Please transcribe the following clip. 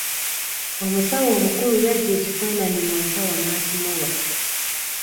Omusawo omukulu yaggya ekifaananyi mu nsawo n'akimuwa.